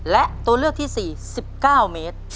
และตัวเลือกที่๔สิบเก้าเมตร